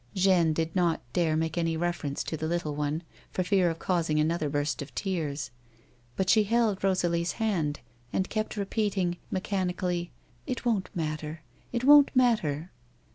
Jeanne did not dare make any reference to the little one, for fear of causing another burst of tears, but she held Rosalie's hand and kept repeating mechanically, "It won't matter; it w^ou't matter."